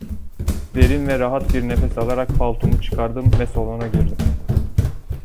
Derin ve rahat bir nefes alarak paltomu çıkardım ve salona girdim.